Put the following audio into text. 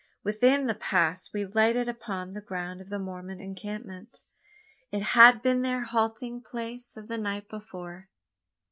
Within the pass we lighted upon the ground of the Mormon encampment. It had been their halting place of the night before.